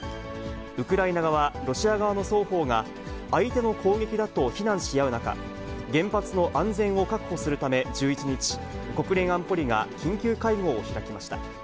ウクライナ側、ロシア側の双方が相手の攻撃だと非難し合う中、原発の安全を確保するため、１１日、国連安保理が緊急会合を開きました。